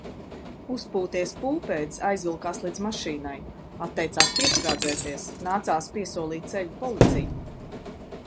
Uzpūties pūpēdis aizvilkās līdz mašīnai. Atteicās piesprādzēties, nācās piesolīt ceļu policiju.